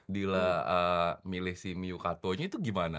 dila milih si miyukatonya itu gimana